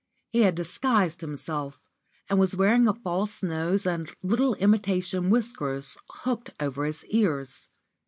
He had disguised himself, and was wearing a false nose and little imitation whiskers hooked over his ears.